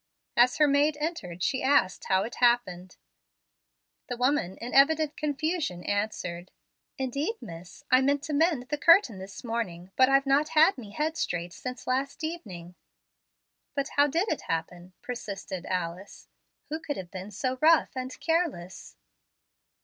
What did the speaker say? As her maid entered she asked how it happened. The woman in evident confusion answered: "Indeed, miss, I meant to mend the curtain this morning, but I've not had me head straight since last evening." "But how did it happen?" persisted Alice. "Who could have been so rough and careless?"